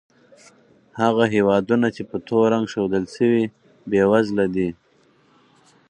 هغه هېوادونه چې په تور رنګ ښودل شوي، بېوزله دي.